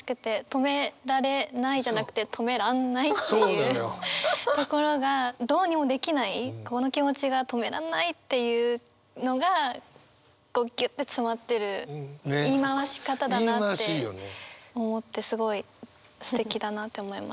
「止められない」じゃなくて「止めらんない」っていうところがどうにもできないこの気持ちが止めらんないっていうのがこうギュッて詰まってる言い回し方だなって思ってすごいすてきだなって思いました。